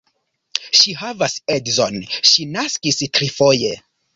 Ŝi havas edzon, ŝi naskis trifoje.